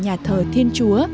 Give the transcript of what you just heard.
nhà thờ thiên chúa